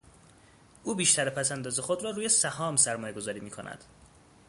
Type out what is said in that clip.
او بیشتر پس انداز خود را روی سهام سرمایهگذاری میکند.